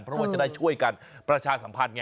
เพราะว่าจะได้ช่วยกันประชาสัมพันธ์ไง